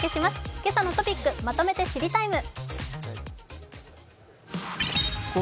「けさのトピックまとめて知りＴＩＭＥ，」。